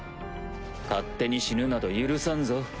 勝手に死ぬなど許さんぞ。